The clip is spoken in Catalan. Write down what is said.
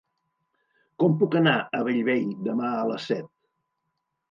Com puc anar a Bellvei demà a les set?